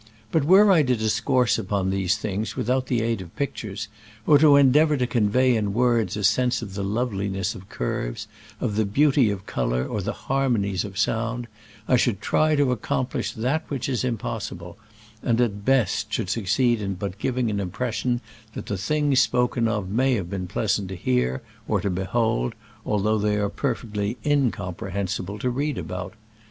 But were I to discourse upon these things without the aid of pictures, or to en deavor to convey in words a sense of the loveliness of curves, of the beauty of color or of the harmonies of sound, I should try to accomplish that which is impossible, and at the best should suc ceed in but giving an impression that the things spoken of may have been pleasant to hear or to behold, although they are perfecdy incomprehensible to read about.